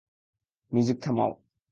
Music থামাও।